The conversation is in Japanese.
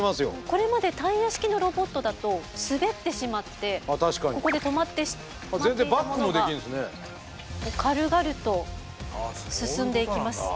これまでタイヤ式のロボットだと滑ってしまってここで止まってしまっていたものが軽々と進んでいきます。